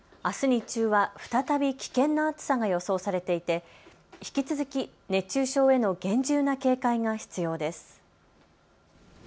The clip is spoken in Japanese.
日中は再び危険な暑さが予想されていて引き続き熱中症への厳重な警戒が必要です。